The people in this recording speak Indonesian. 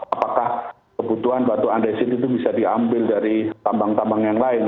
apakah kebutuhan batu andesit itu bisa diambil dari tambang tambang yang lain